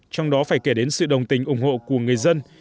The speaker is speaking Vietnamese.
trong đó phải kể đến sự đồng tình ủng hộ của người dân